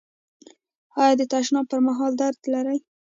ایا د تشناب پر مهال درد لرئ؟